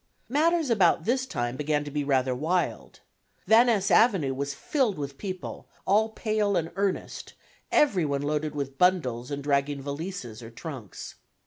Matters about this time began to be rather wild. Van Ness Avenue was filled with people, all pale and earnest, every one loaded with bundles and dragging valises or trunks.